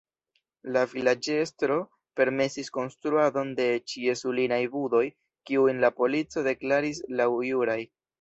La vilaĝestro permesis konstruadon de ĉiesulinaj budoj, kiujn la polico deklaris laŭjuraj.